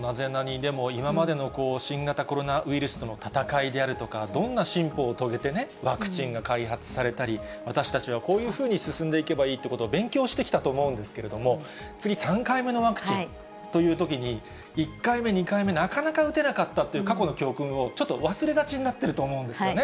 でも、今までの新型コロナウイルスとの闘いであるとか、どんな進歩を遂げて、ワクチンが開発されたり、私たちはこういうふうに進んでいけばいいっていうことを勉強してきたと思うんですけれども、次、３回目のワクチンというときに、１回目、２回目、なかなか打てなかったという過去の教訓をちょっと忘れがちになっていると思うんですよね。